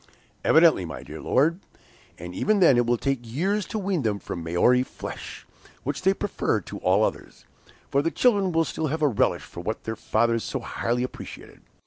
"Evidently, my dear Lord; and even then it will take years to wean them from Maori flesh, which they prefer to all others; for the children will still have a relish for what their fathers so highly appreciated.